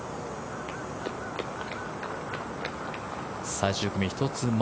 最終組１つ前。